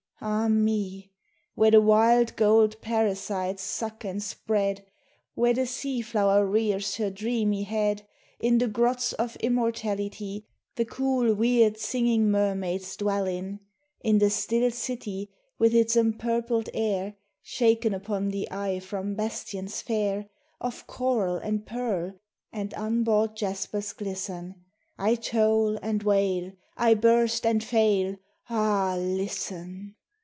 ah me! Where the wild gold parasites suck and spread, Where the sea flower rears her dreamy head; In the grots of immortality The cool weird singing mermaids dwell in; In the still city, with its empurpled air Shaken upon the eye from bastions fair Of coral, and pearl, and unbought jasper's glisten, I toll and wail, I burst and fail, ah, listen!